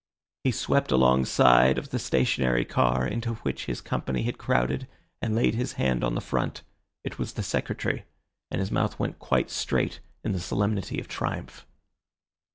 He swept alongside of the stationary car, into which its company had crowded, and laid his hand on the front. It was the Secretary, and his mouth went quite straight in the solemnity of triumph.